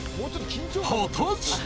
果たして。